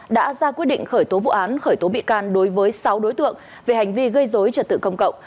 đã ra quyết định khởi tố vụ án khởi tố bị can đối với sáu đối tượng về hành vi gây dối trật tự công cộng